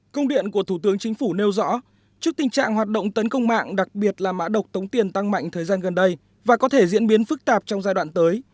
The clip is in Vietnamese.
công điện của thủ tướng chính phủ nêu rõ trước tình trạng hoạt động tấn công mạng đặc biệt là mã độc tống tiền tăng mạnh thời gian gần đây và có thể diễn biến phức tạp trong giai đoạn tới